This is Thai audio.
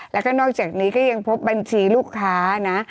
แล้วก็นอกจากนี้ก็ยังพบบัญชีลูกค้านะ